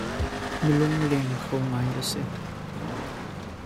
Mi lungleng kho ngai a si.